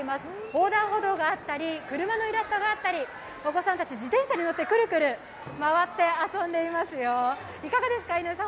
横断歩道があったり車のイラストがあったりお子さんたち、自転車に乗ってくるくる回って遊んでいますよ。